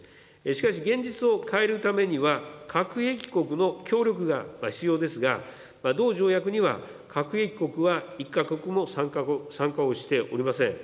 しかし、現実を変えるためには核兵器国の協力が必要ですが、同条約には、核兵器国は１か国も参加をしておりません。